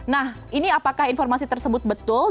nah ini apakah informasi tersebut betul